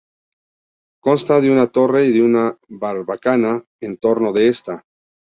Consta de una torre y de una barbacana en torno de esta.